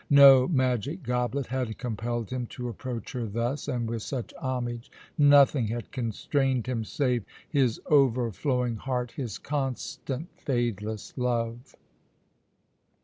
No magic goblet had compelled him to approach her thus and with such homage. Nothing had constrained him, save his overflowing heart, his constant, fadeless love.